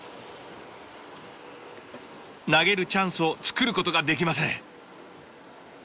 投げるチャンスを作ることができません。